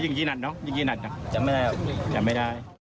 ยิงที่นัดเนาะยิงที่นัดนะยังไม่ได้อ่ะ